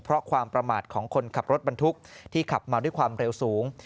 เพราะความประมาทของคนขับรถบรรทุกที่ขับมาด้วยความเร็วสูง